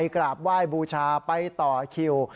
กราบไหว้บูชาไปต่อคิว